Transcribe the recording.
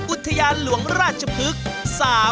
อุทยานหลวงราชพฤกษ์